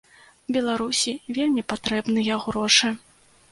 Беларусі вельмі патрэбныя грошы.